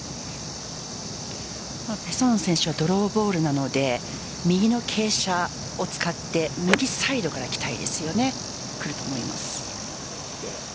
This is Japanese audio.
ペ・ソンウ選手はドローボールなので右の傾斜を使って右サイドからきたいですよね。